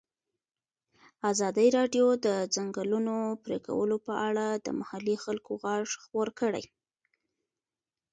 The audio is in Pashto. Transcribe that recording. ازادي راډیو د د ځنګلونو پرېکول په اړه د محلي خلکو غږ خپور کړی.